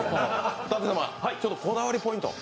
舘様、こだわりポイントを。